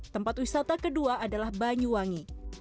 tempat wisata kedua adalah banyuwangi